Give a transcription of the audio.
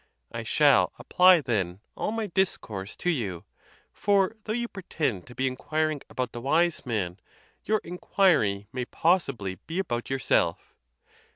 I shall apply, then, all my discourse to you; for though you pretend to be inquiring about the wise man, your inquiry may, pos sibly be about yourself.